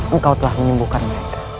engkau telah menyembuhkan mereka